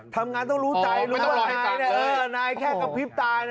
ทำงานต้องรู้ใจรู้ว่านายแค่กระพริบตาย